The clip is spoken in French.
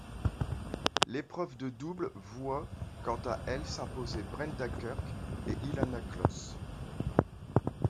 L'épreuve de double voit quant à elle s'imposer Brenda Kirk et Ilana Kloss.